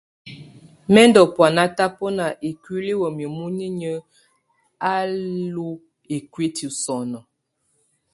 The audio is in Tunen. Mɛ̀ ndù bɔ̀ána tabɔna ikuili wamɛ̀á munyinyǝ á lu ikuiti sɔnɔ.